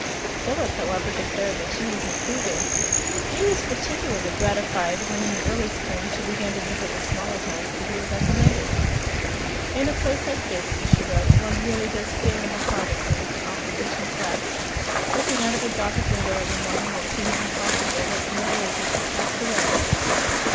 Philip, however, declared that she was improving. He was particularly gratified when in the early spring she began to visit the smaller towns that he had recommended. "In a place like this," she wrote, "one really does feel in the heart of things, and off the beaten track. Looking out of a Gothic window every morning, it seems impossible that the middle ages have passed away."